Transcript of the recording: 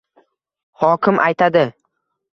Hokim aytadi: